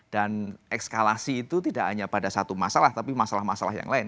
dan ekskalasi itu tidak hanya pada satu masalah tapi masalah masalah yang lain